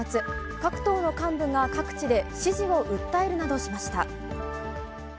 各党の幹部が各地で支持を訴えるなどしました。